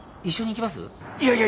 一緒に行きます？